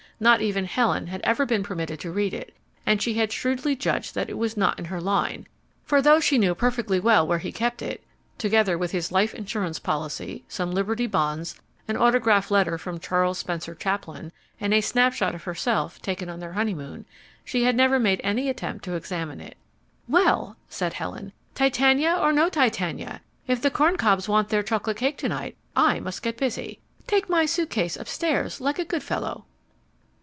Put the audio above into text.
Not even Helen had ever been permitted to read it; and she had shrewdly judged that it was not in her line, for though she knew perfectly well where he kept it (together with his life insurance policy, some Liberty Bonds, an autograph letter from Charles Spencer Chaplin, and a snapshot of herself taken on their honeymoon) she had never made any attempt to examine it. "Well," said Helen; "Titania or no Titania, if the Corn Cobs want their chocolate cake to night, I must get busy. Take my suitcase upstairs like a good fellow."